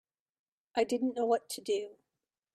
I didn't know what to do.